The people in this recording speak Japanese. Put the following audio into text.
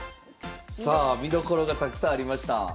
さあ見どころがたくさんありました。